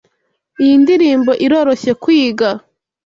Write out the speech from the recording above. Iyi ndirimbo iroroshye kwiga.